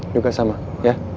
juga sama ya